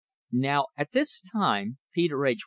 Now at this time Peter H.